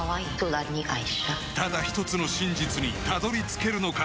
ただ一つの真実にたどり着けるのか？